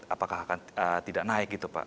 apakah akan tidak naik gitu pak